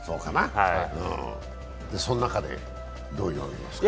その中でどう読みますか？